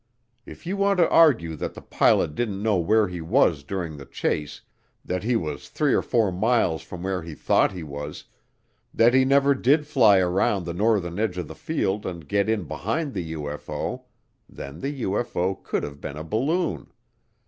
If you want to argue that the pilot didn't know where he was during the chase that he was 3 or 4 miles from where he thought he was that he never did fly around the northern edge of the field and get in behind the UFO then the UFO could have been a balloon.